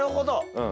うん。